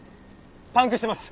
パンクしてます。